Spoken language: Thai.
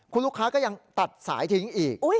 คุณลูกค้าก็ยังตัดสายทิ้งอีก